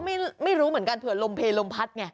ไม่รู้เหมือนกันเผื่อลมเพลลมพัดไง